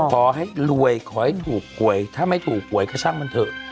ขอให้รวยขอให้ถูกหวยถ้าไม่ถูกหวยก็ช่างมันเถอะ